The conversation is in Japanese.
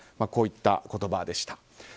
こういった言葉でした。